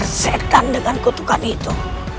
resetkan dengan kutukan itu